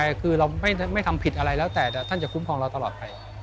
แต่คือเราไม่ทำผิดอะไรแล้วแต่ท่านจะคุ้มครองเราตลอดไป